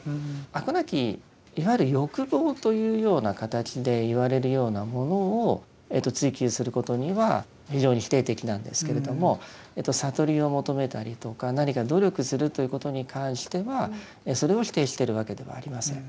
飽くなきいわゆる欲望というような形でいわれるようなものを追求することには非常に否定的なんですけれども悟りを求めたりとか何か努力するということに関してはそれを否定しているわけではありません。